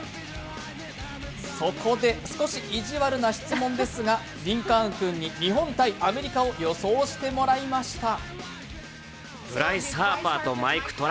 そこで、少し意地悪な質問ですがリンカーン君に日本×アメリカを予想してもらいました。